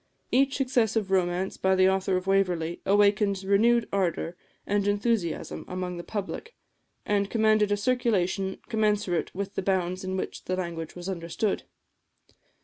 Each successive romance by the author of "Waverley" awakened renewed ardour and enthusiasm among the public, and commanded a circulation commensurate with the bounds in which the language was understood.